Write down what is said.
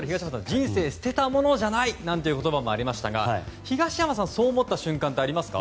人生捨てたものじゃないなんて言葉もありましたが東山さん、そう思った瞬間ってありますか？